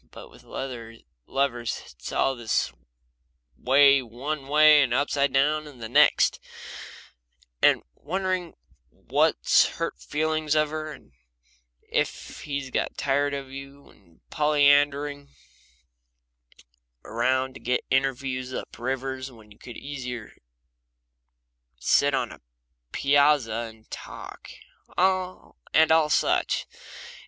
But with lovers it's all this way one day and upside down the next, and wondering what's hurt the feelings of her, and if he's got tired of you, and polyandering around to get interviews up rivers when you could easier sit on the piazza and talk and all such.